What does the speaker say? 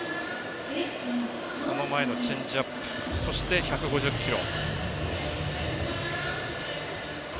その前のチェンジアップそして、１５０キロ。